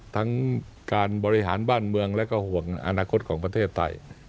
ทั้งการบริหารบ้านเมืองและก็ห่วงอนาคตของประเทศไทย